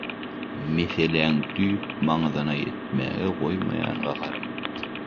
meseläň düýp maňzyna ýetmäge goýmaýan gaharym.